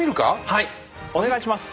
はいお願いします。